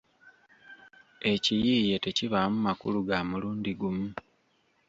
Ekiyiiye tekibaamu makulu ga mulundi gumu